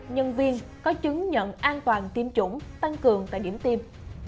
nhân viên có chứng nhận an toàn tiêm chủng tăng cường tại điểm tiêm